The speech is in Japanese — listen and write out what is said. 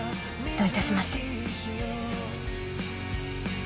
どういたしまして。